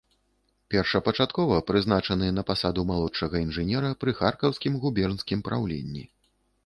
Першапачаткова прызначаны на пасаду малодшага інжынера пры харкаўскім губернскім праўленні.